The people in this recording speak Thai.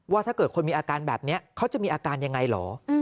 ถ้าเกิดคนมีอาการแบบนี้เขาจะมีอาการยังไงเหรอ